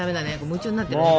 夢中になってるね。